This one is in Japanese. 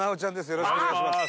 よろしくお願いします。